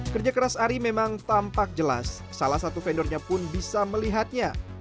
kerja keras ari memang tampak jelas salah satu vendornya pun bisa melihatnya